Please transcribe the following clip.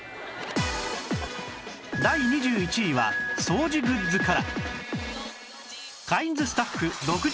第２１位は掃除グッズから